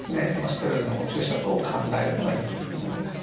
ステロイドのお注射等を考えるのがいいというふうに思います。